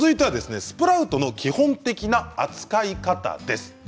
スプラウトの基本的な扱い方です。